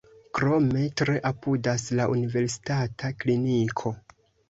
Krome tre apudas la Universitata kliniko.